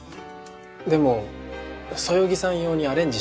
でもそよぎさん用にアレンジしてます。